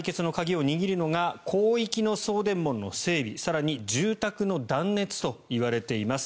その解決の鍵を握るのが広域の送電網の整備そして住宅の断熱といわれています。